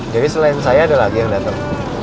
jadi selain saya ada lagi yang datang